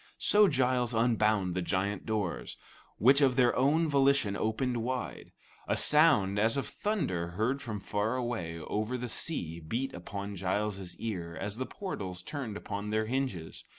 So Giles unbound the giant doors, which of their own volition opened wide. A sound as of thunder heard from far away over the sea beat upon Giles's ear as the portals turned upon their hinges.